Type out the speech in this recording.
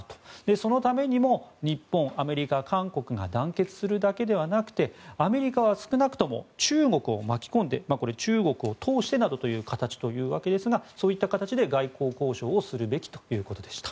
そのためにも日本、アメリカ、韓国が団結するだけではなくてアメリカは少なくとも中国を巻き込んでこれ、中国を通してなどという形というわけですがそういった形で外交交渉をするべきということでした。